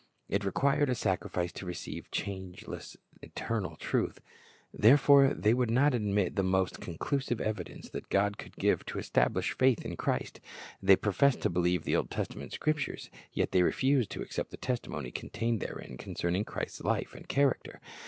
It required a sacrifice to receive changeless, eternal truth. Therefore they would not admit the most conclusive evidence that God could give to establish faith in Christ. They professed to beheve the Old Testament Scriptures, yet they refused to accept the testimony contained therein concerning Christ's life and character.